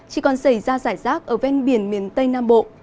chỉ còn xảy ra giải rác ở ven biển miền tây nam bộ